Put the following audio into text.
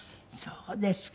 そうですか。